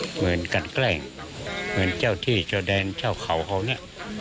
เหมือนกันแกล้งเหมือนเจ้าที่เจ้าแดนเจ้าเขาเขาเนี่ย